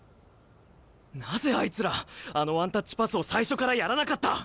なぜあいつらあのワンタッチパスを最初からやらなかった！？